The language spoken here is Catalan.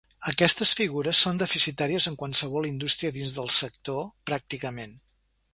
Aquestes figures són deficitàries en qualsevol indústria dins del sector, pràcticament.